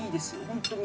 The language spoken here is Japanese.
本当に。